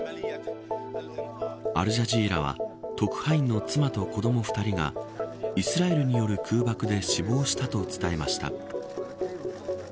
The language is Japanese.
アルジャジーラは特派員の妻と子ども２人がイスラエルによる空爆で死亡したと伝えました。